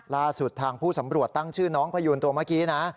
ล่าสุดทางผู้สำรวจตั้งชื่อน้องพยูนตัวเมื่อกี้นะ